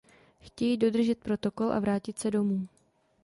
Chtějí dodržet protokol a vrátit se domů.